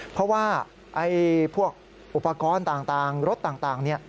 เพราะว่าพวกอุปกรณ์ต่างรถต่างเนี่ย